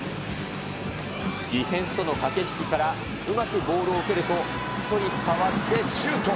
ディフェンスとの駆け引きからうまくボールを受けると、１人かわしてシュート。